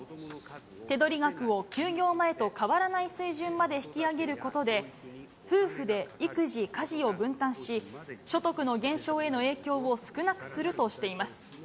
手取り額を休業前と変わらない水準まで引き上げることで、夫婦で育児、家事を分担し、所得の減少への影響を少なくするとしています。